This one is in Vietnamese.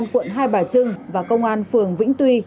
cơ sở công an phường vĩnh tuy